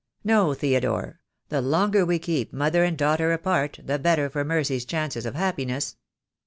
No, Theodore, the longer we keep mother and daughter apart, the better for Mercy's chances of happiness."